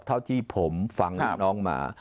เท่าที่ผมฟังลูกน้องมา